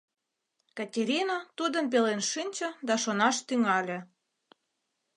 Катерина тудын пелен шинче да шонаш тӱҥале.